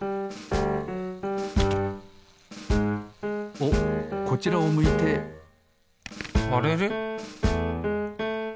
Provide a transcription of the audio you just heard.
おっこちらを向いてあれれ？